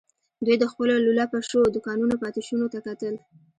دوی د خپلو لولپه شويو دوکانونو پاتې شونو ته کتل.